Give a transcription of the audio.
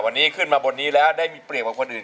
วันนี้ขึ้นมาบนนี้แล้วได้มีเปรียบกว่าคนอื่น